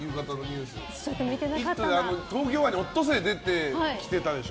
「イット！」で東京湾にオットセイが出てきてたでしょ。